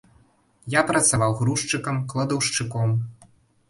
Я працаваў грузчыкам, кладаўшчыком.